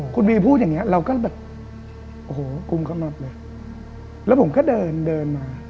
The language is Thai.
คุณบีพูดอย่างนี้เราก็แบบโอ้โหกลุ่มขมับเลยแล้วผมก็เดินเดินมา